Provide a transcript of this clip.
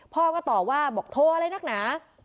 พ่อก็ตอบว่าบอกโทรอะไรนักหนา